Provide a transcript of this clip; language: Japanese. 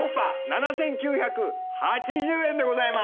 ７９８０円でございます！